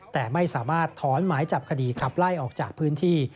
แต่ไม่สามารถถอนหมายจับคดีขับไล่ออกจากพื้นที่